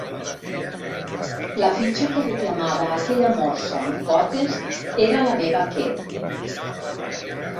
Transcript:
La fitxa que reclamava aquella morsa amb potes era la meva que.